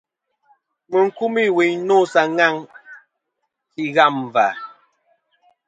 Mɨ n-kumî wuyn nô sa ŋaŋ fî ghâm và..